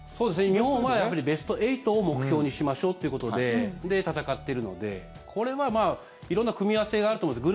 日本はベスト８を目標にしましょうということで戦っているのでこれは色んな組み合わせがあると思います。